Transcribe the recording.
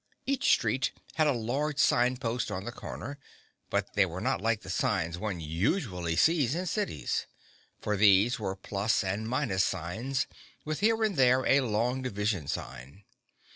Each street had a large signpost on the corner, but they were not like the signs one usually sees in cities. For these were plus and minus signs with here and there a long division sign.